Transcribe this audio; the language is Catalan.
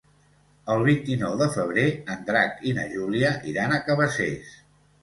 El vint-i-nou de febrer en Drac i na Júlia iran a Cabacés.